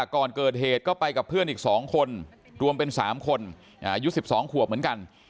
ก่อนเกิดเหตุก็ไปกับเพื่อนอีก๒คนรวมเป็น๓คนอายุ๑๒ขวบเหมือนกัน